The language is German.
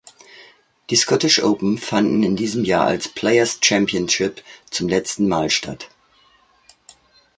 Die Scottish Open fanden in diesem Jahr als "Players Championship" zum letzten Mal statt.